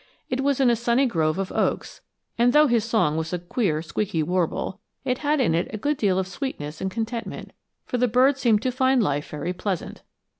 It was in a sunny grove of oaks, and though his song was a queer squeaky warble, it had in it a good deal of sweetness and contentment; for the bird seemed to find life very pleasant.